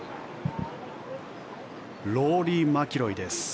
ローリー・マキロイです。